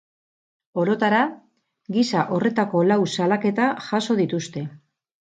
Orotara, gisa horretako lau salaketa jaso dituzte.